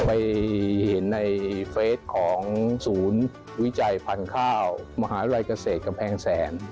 ไปเห็นในเฟสของศูนย์วิจัยพันธุ์ข้าวมหาวิทยาลัยเกษตรกำแพงแสน